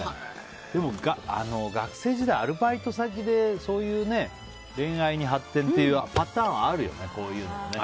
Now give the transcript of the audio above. でも学生時代アルバイト先でそういう恋愛に発展っていうパターンはあるよね、こういうの。